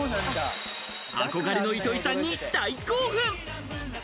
憧れの糸井さんに大興奮。